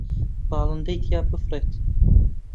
باڵندەی تیا بفڕێت